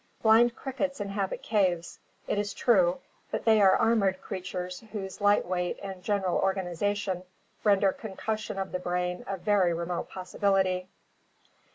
Blind crickets inhabit caves, it is true, but they are armored creatures whose light weight and general organization render concussion of the brain a very .remote possi bility.